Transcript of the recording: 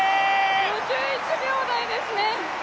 ５１秒台ですね。